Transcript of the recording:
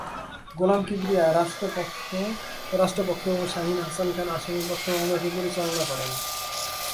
গোলাম কিবরিয়া রাষ্ট্রপক্ষে ও শাহীন হাসান খান আসামিপক্ষে মামলাটি পরিচালনা করেন।